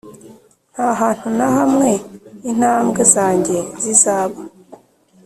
nta hantu na hamwe intambwe zanjye zizaba